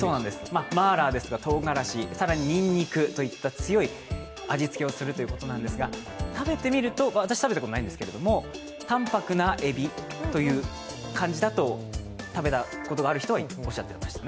マーラーですとか唐辛子、更ににんにくといった強い味付けをするということなんですが、私食べたことないんですけど食べてみると淡泊なエビという感じだと、食べたことがある方はおっしゃってました。